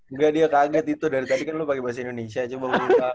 enggak dia kaget itu dari tadi kan lu pake bahasa indonesia cuman